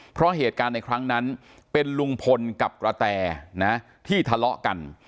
เพราะเหตุการณ์ในครั้งนั้นเป็นลุงพลกับกระแตนะที่ทะเลาะกัน